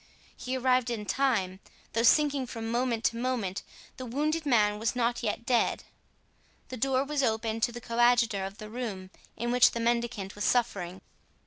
He arrived in time. Though sinking from moment to moment, the wounded man was not yet dead. The door was opened to the coadjutor of the room in which the mendicant was suffering.